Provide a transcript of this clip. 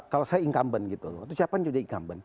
kalau saya incumbent gitu loh